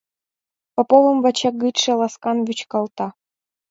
Поповым ваче гычше ласкан вӱчкалта.